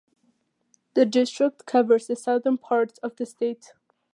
This district covers the Southern part of the state.